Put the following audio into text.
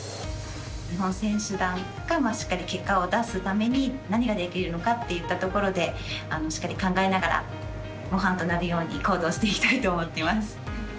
日本選手団がしっかり結果を出すために何ができるのかっていったところでしっかり考えながら模範となるように行動していきたいと思っています。